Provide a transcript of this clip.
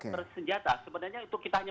pada senjata sebenarnya itu kita hanya